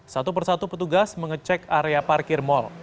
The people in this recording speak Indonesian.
satu persatu petugas mengecek area parkir mal